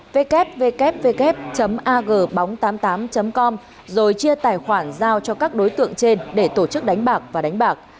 www agbóng tám mươi tám com rồi chia tài khoản giao cho các đối tượng trên để tổ chức đánh bạc và đánh bạc